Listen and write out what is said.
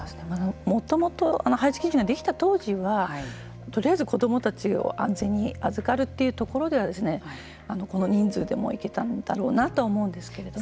もともと配置基準ができた当時はとりあえず子どもたちを安全に預けるというところではこの人数でもいけたんだろうなと思うんですけれども。